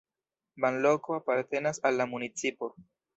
Banloko apartenas al la municipo.